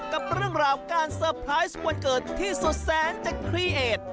กับเรื่องราวการเซอร์ไพรส์วันเกิดที่สุดแสนจะคลีเอด